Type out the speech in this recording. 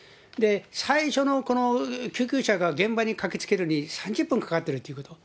最初の救急車が現場に駆けつけるに３０分かかってるってこと。